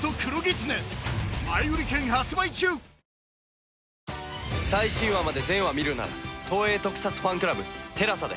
そして現れる最新話まで全話見るなら東映特撮ファンクラブ ＴＥＬＡＳＡ で。